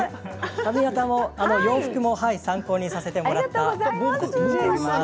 髪形も洋服も参考にさせてもらいました。